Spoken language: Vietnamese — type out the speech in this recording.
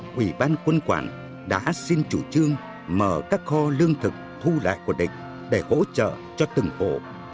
quỹ ban quân quản đã xin chủ trương mở các kho lương thực thu lại của địch để hỗ trợ cho từng hộ